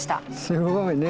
すごいね。